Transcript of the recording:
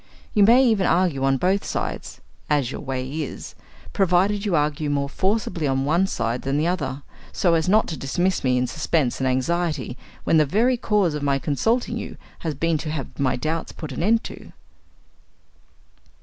You may even argue on both sides (as your way is), provided you argue more forcibly on one side than the other, so as not to dismiss me in suspense and anxiety, when the very cause of my consulting you has been to have my doubts put an end to.